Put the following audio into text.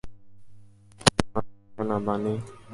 তোর টাকা আমার লাগবে না, বানি।